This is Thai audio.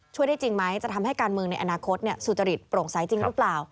ได้จริงไหมจะทำให้การเมืองในอนาคตสุจริตโปร่งใสจริงหรือเปล่า